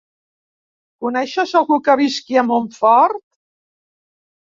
Coneixes algú que visqui a Montfort?